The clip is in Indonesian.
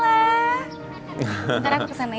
sekarang kesana ya